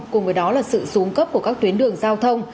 cùng với đó là sự xuống cấp của các tuyến đường giao thông